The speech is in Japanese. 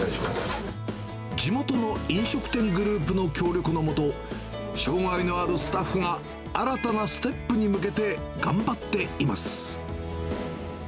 地元の飲食店グループの協力の下、障がいのあるスタッフが新たなステップに向けて、頑張っています。